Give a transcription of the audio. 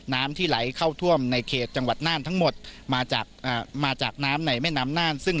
น้ำที่ไหลเข้าท่วมในเขตจังหวัดน่านทั้งหมดมาจากน้ำในแม่น้ำน่าน